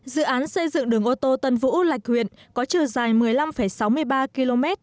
dự án xây dựng đường ô tô tân vũ lạch huyện có chiều dài một mươi năm sáu mươi ba km